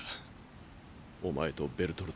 お前とベルトルトに。